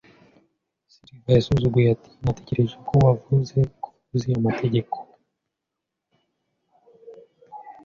Silver yasuzuguye ati: "Natekereje ko wavuze ko uzi amategeko".